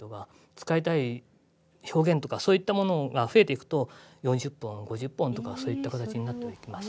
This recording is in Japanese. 使いたい表現とかそういったものが増えていくと４０本５０本とかそういった形になっていきます。